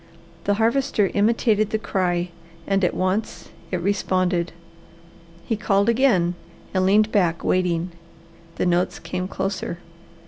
The Harvester imitated the cry and at once it responded. He called again and leaned back waiting. The notes came closer.